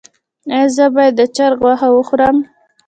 ایا زه باید د چرګ غوښه وخورم؟